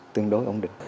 tương đối ổn định